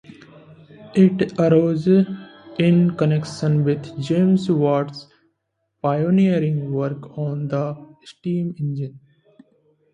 It arose in connection with James Watt's pioneering work on the steam engine.